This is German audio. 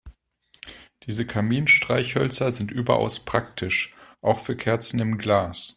Diese Kaminstreichhölzer sind überaus praktisch, auch für Kerzen im Glas.